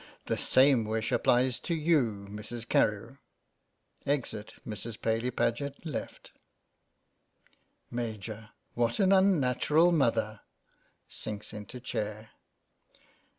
The same wish applies to you, Mrs. Carewe. (Exit Mrs. Paly Paget, L.) Maj, : What an unnatural mother ! (Sinks into chair.)